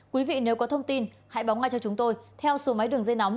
quý vị nếu có thông tin hãy báo ngay cho chúng tôi theo số máy đường dây nóng